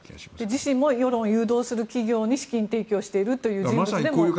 自身も世論を誘導する企業に資金提供している人物でもありますからね。